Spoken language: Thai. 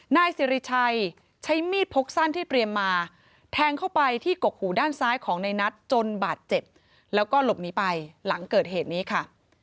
นายสิริชัยใช้มีดพกสั้นที่เตรียมมาแทงเข้าไปที่กกหูด้านซ้ายของในนัทจนบาดเจ็บแล้วก็หลบหนีไปหลังเกิดเหตุนี้ค่ะ